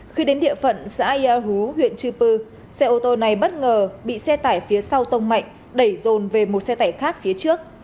khi đến địa phận xã yà hú huyện chư pư xe ô tô này bất ngờ bị xe tải phía sau tông mạnh đẩy rồn về một xe tải khác phía trước